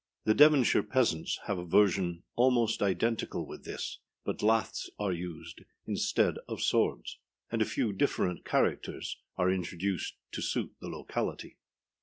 The Devonshire peasants have a version almost identical with this, but laths are used instead of swords, and a few different characters are introduced to suit the locality.